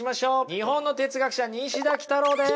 日本の哲学者西田幾多郎です。